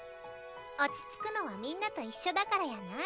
落ち着くのはみんなと一緒だからやない？